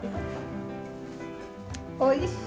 おいしい。